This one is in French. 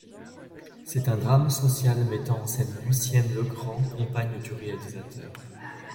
C'est un drame social mettant en scène Lucienne Legrand, compagne du réalisateur.